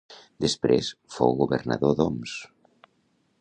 Després fou governador d'Homs.